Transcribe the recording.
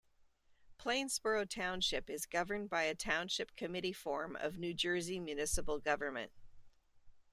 Plainsboro Township is governed by a Township Committee form of New Jersey municipal government.